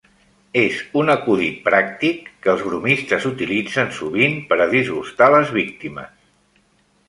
És un acudit pràctic que els bromistes utilitzen sovint per a disgustar les víctimes.